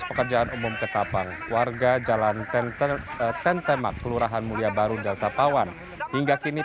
pekerjaan umum ketapang warga jalan tentemak kelurahan mulia baru delta pawan hingga kini